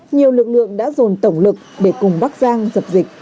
nhiều lực lượng đã dồn tổng lực để cùng bắc giang dập dịch